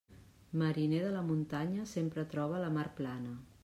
Mariner de la muntanya, sempre troba la mar plana.